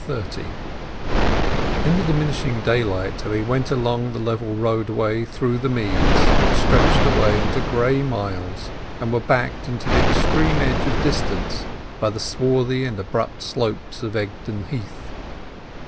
XXX In the diminishing daylight they went along the level roadway through the meads, which stretched away into gray miles, and were backed in the extreme edge of distance by the swarthy and abrupt slopes of Egdon Heath.